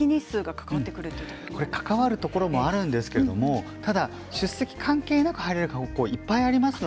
関わってくるところもあるんですが出席日数関係なく入れる学校がいっぱいあります。